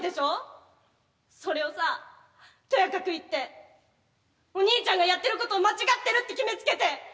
それをさとやかく言ってお兄ちゃんがやってることを間違ってるって決めつけて。